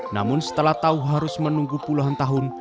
namun setelah tahu harus menunggu puluhan tahun